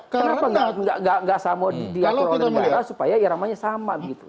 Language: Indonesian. kenapa nggak sama di operasi militer supaya iramanya sama gitu